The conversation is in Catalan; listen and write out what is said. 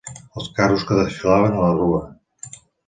Els carros que desfilaven a la rua.